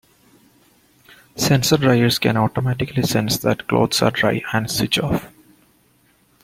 Sensor dryers can automatically sense that clothes are dry and switch off.